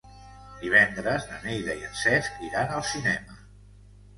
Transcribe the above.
Divendres na Neida i en Cesc iran al cinema.